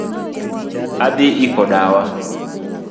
Adhi iko dawa